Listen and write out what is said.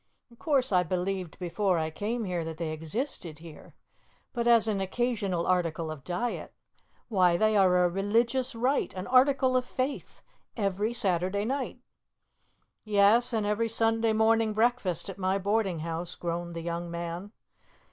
Of course, I believed before I came here that they existed here, but as an occasional article of diet. Why, they are a religious rite, an article of faith! Every Saturday night!" "Yes, and every Sunday morning breakfast at my boarding house," groaned the young man.